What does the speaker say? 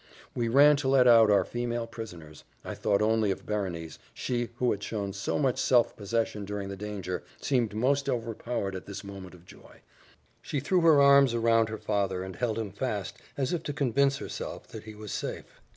We ran to let out our female prisoners; I thought only of Berenice she, who had shown so much self possession during the danger, seemed most overpowered at this moment of joy; she threw her arms round her father, and held him fast, as if to convince herself that he was safe.